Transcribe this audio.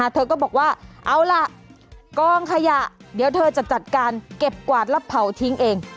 เธอก็บอกว่าเอาล่ะกองขยะเดี๋ยวเธอจะจัดการเก็บกวาดแล้วเผาทิ้งเอง